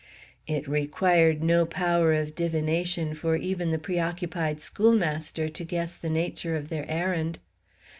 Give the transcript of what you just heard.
It required no power of divination for even the pre occupied schoolmaster to guess the nature of their errand.